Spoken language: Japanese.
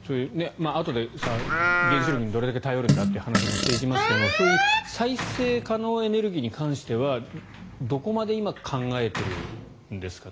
あとで原子力にどれだけ頼るんだという話もしていきますけれども、そういう再生可能エネルギーに関してはどこまで今、考えているんですか。